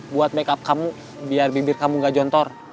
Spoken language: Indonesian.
buat makeup kamu biar bibir kamu gak jontor